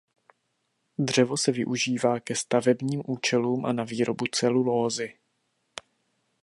Dřevo se využívá ke stavebním účelům a na výrobu celulózy.